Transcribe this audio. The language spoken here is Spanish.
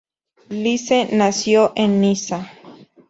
Lise nació en Niza.